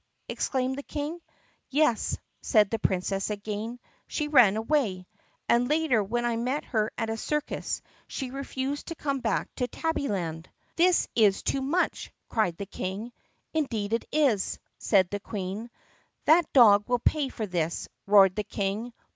exclaimed the King. "Yes," said the Princess again, "she ran away. And later when I met her at a circus she refused to come back to Tabby land." THE PUSSYCAT PRINCESS 7i "This is too much!" cried the King. "Indeed it is!" said the Queen. "That dog will pay for this!" roared the King.